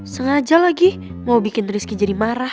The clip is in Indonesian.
sengaja lagi mau bikin rizky jadi marah